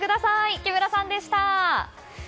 木村さんでした。